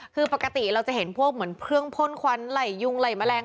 คือปกติเราจะเห็นพวกเหมือนเครื่องพ่นควันไหลยุงไหล่แมลง